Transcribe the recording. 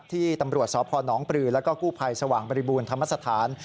ที่ตำรวจสพนปรือแล้วก็กู้ภัยสว่างบริบูรณธรรมสถาน